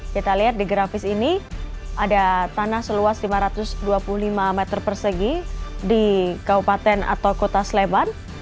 kita lihat di grafis ini ada tanah seluas lima ratus dua puluh lima meter persegi di kabupaten atau kota sleman